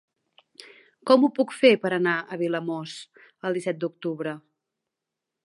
Com ho puc fer per anar a Vilamòs el disset d'octubre?